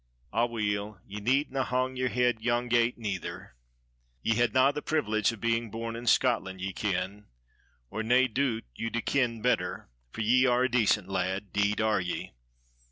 Aweel, ye need na hong your heed yon gate neether. Ye had na the privileege of being born in Scoetland, ye ken or nae doot ye'd hae kenned better, for ye are a decent lad deed are ye.